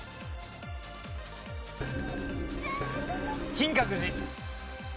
『金閣寺』。